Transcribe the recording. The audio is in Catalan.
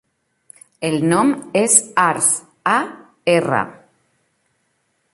El nom és Arç: a, erra.